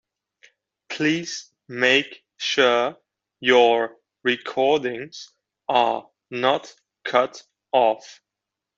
Please make sure your recordings are not cut off.